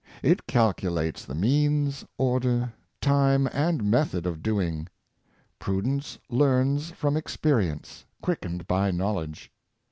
It calculates the means, order, time, and method of do ing. Prudence learns from experience, quickened by knowledge.